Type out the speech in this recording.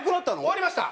終わりました。